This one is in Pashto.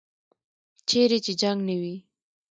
چیرې چې جنګ نه وي.